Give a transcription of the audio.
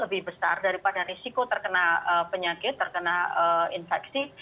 lebih besar daripada risiko terkena penyakit terkena infeksi